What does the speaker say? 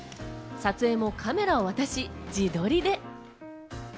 撮影もカメラを渡し自撮りで。